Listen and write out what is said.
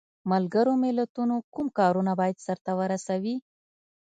ملګرو ملتونو کوم کارونه باید سرته ورسوي؟